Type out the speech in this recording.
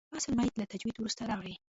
بحث المیت له تجوید وروسته راغلی.